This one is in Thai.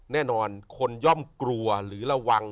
แน่นอนคนย่อมกลัวหรือระวัง